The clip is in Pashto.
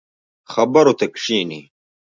خبرو ته کښیني.